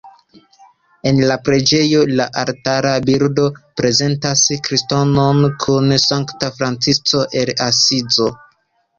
En la preĝejo la altara bildo prezentas Kriston kun Sankta Francisko el Asizo.